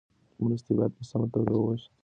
مرستې باید په سمه توګه وویشل سي.